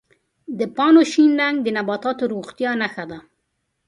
د پاڼو شین رنګ د نباتاتو د روغتیا نښه ده.